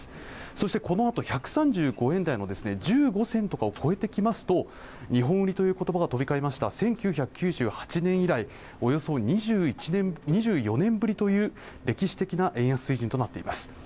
そしてこのあと１３５円台も１５銭とかを超えてきますと日本語にという言葉が飛び交いました１９９８年以来およそ２１年２４年ぶりという歴史的な円安水準となっています